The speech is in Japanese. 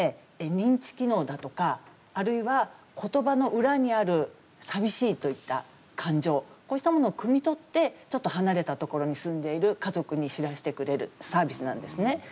認知機能だとかあるいは言葉の裏にある寂しいといった感情こうしたものをくみ取ってちょっと離れたところに住んでいる家族に知らせてくれるサービスなんですね。